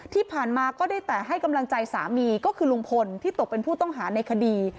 ก็ได้แต่ให้กำลังใจสามีก็คือลุงพลที่ตกเป็นผู้ต้องหาในคดี